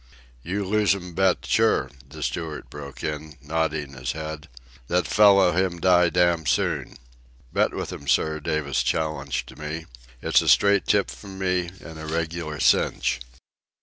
"You loose 'm bet sure," the steward broke in, nodding his head. "That fellow him die damn soon." "Bet with'm, sir," Davis challenged me. "It's a straight tip from me, an' a regular cinch."